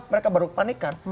mereka baru panikan